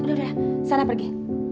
udah udah sana pergi